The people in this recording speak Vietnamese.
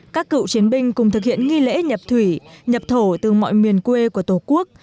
các cựu chiến binh cùng thực hiện nghi lễ nhập thủy nhập thổ từ mọi miền quê của tổ quốc